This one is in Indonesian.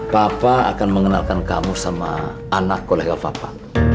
papa akan mengenalkan kamu sama anak kolegal papa